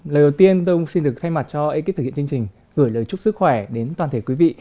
lời đầu tiên tôi xin được thay mặt cho ekip thực hiện chương trình gửi lời chúc sức khỏe đến toàn thể quý vị